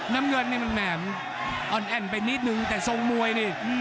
น้ำเงินนี่มันแหมอ่อนแอ่นไปนิดนึงแต่ทรงมวยนี่